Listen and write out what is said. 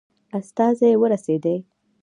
استازی ورسېدی.